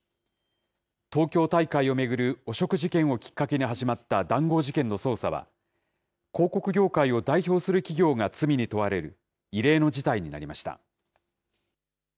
東京大会を巡る汚職事件をきっかけに始まった談合事件の捜査は、広告業界を代表する企業が罪に問われる異例の事態になりました。